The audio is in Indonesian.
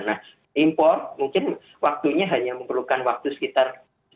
nah impor mungkin waktunya hanya membutuhkan waktu sekitar